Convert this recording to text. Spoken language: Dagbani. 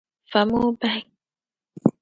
Fami o bahi!